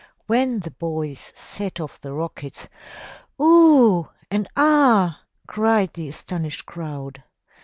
When the boys set off the rockets, "Oh and Ah!'' cried the astonished crowd.